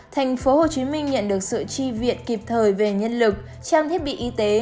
tp hcm nhận được sự chi viện kịp thời về nhân lực trang thiết bị y tế